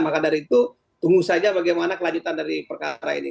maka dari itu tunggu saja bagaimana kelanjutan dari perkara ini